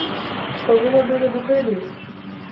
Што вы набылі б у крэдыт?